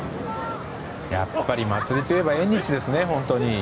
やっぱり祭りといえば縁日ですね、本当に。